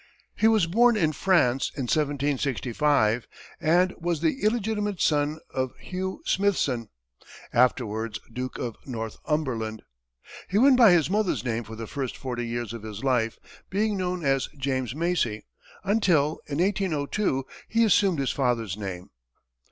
He was born in France in 1765, and was the illegitimate son of Hugh Smithson, afterwards Duke of Northumberland. He went by his mother's name for the first forty years of his life, being known as James Macie, until, in 1802, he assumed his father's name.